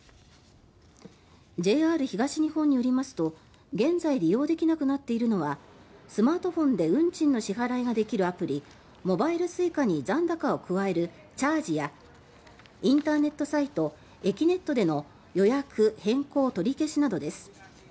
ＪＲ東日本によりますと現在利用できなくなっているのはスマートフォンで運賃の支払いができるアプリモバイルＳｕｉｃａに残高を加えるチャージやインターネットサイトえきねっとでの予約、変更、取り消しなどです。